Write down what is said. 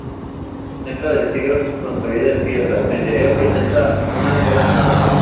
Templo del siglo construido en piedra, su interior presenta una sola nave.